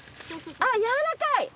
あっやわらかい！